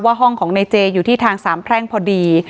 ว่าห้องของนายเจย์อยู่ที่ทางสามแพร่งพอดี